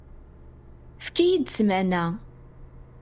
Efk-iyi-d ssmana.